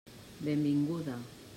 Benvinguda.